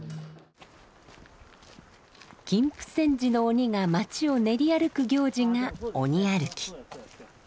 金峯山寺の鬼が町を練り歩く行事が鬼歩き。